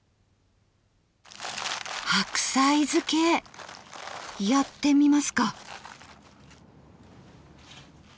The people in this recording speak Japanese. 白菜漬けやってみますか！